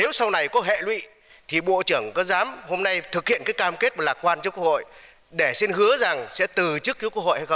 nếu sau này có hệ lụy thì bộ trưởng có dám hôm nay thực hiện cái cam kết lạc quan cho quốc hội để xin hứa rằng sẽ từ chức cứu quốc hội hay không